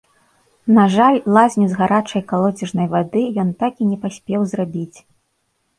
На жаль, лазню з гарачай калодзежнай вады ён так і не паспеў зрабіць.